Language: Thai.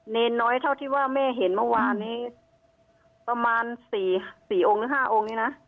เนรน้อยเท่าที่ว่าแม่เห็นเมื่อวานนี้ประมาณ๔องค์หรือ๕องค์นี้นะ